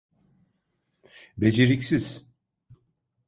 Beceriksiz.